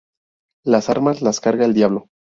Las armas las carga el diablo